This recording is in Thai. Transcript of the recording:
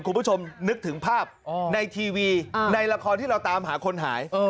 คุณผู้ชมนึกถึงภาพในทีวีในละครที่เราตามหาคนหาย